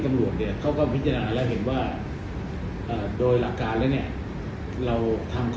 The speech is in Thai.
ตำรวจเนี่ยเขาก็พิจารณาแล้วเห็นว่าโดยหลักการแล้วเนี่ยเราทำข้อ